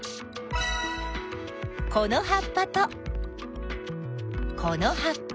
このはっぱとこのはっぱ。